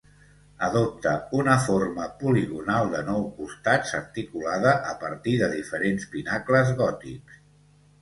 Adopta una forma poligonal de nou costats articulada a partir de diferents pinacles gòtics.